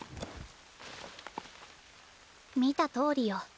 見たとおりよ。